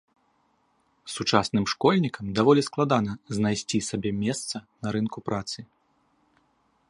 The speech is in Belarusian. Сучасным школьнікам даволі складана знайсці сабе месца на рынку працы.